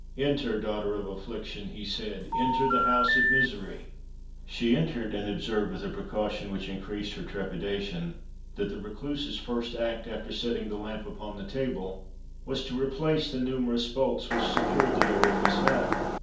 "Enter, daughter of affliction," he said, "enter the house of misery." She entered, and observed, with a precaution which increased her trepidation, that the Recluse's first act, after setting the lamp upon the table, was to replace the numerous bolts which secured the door of his hut.